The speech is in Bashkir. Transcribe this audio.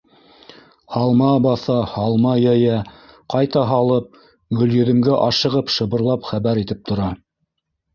Һалма баҫа, һалма йәйә, ҡайта һалып, Гөлйөҙөмгә ашығып шыбырлап хәбәр итеп тора.